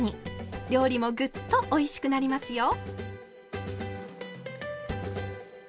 料理もぐっとおいしくなりますよ。